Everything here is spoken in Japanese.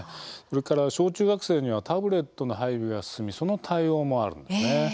それから小中学生にはタブレットの配備が進みその対応もあるんですね。